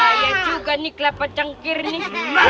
bahaya juga nih kelapa cangkir nih